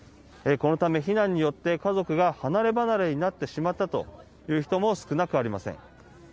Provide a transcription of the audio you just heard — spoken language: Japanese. このため、避難によって家族が離れ離れになってしまったという人も少なくありません。